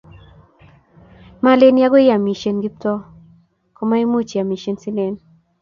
maleni agoi iamisie Kiptoo, kamuacham iamisie sinen